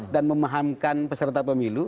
dan memahamkan peserta pemilu